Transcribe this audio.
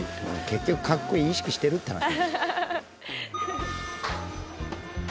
「結局“かっこいい”意識してるって話」